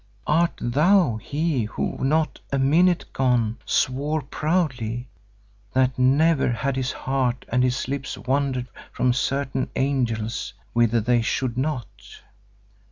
Art thou he who not a minute gone swore proudly that never had his heart and his lips wandered from certain angels whither they should not?